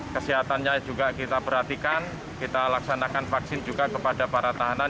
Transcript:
kesehatannya juga kita perhatikan kita laksanakan vaksin juga kepada para tahanan